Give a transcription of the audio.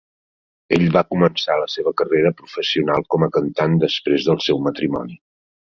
Ell va començar la seva carrera professional com a cantant després del seu matrimoni.